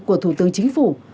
của thủ tướng chính phủ